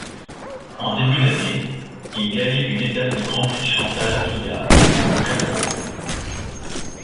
En début d'année, il gagne une étape du Grand Prix Chantal Biya, au Cameroun.